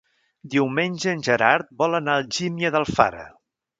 Diumenge en Gerard vol anar a Algímia d'Alfara.